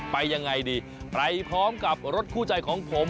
ไปยังไงดีไปพร้อมกับรถคู่ใจของผม